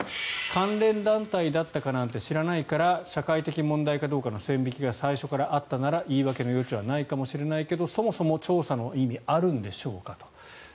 関連団体だったかなんて知らないから社会的問題かどうかの線引きが最初からあったなら言い訳の余地はないかもしれないけどそもそも調査の意味があるんでしょうかと。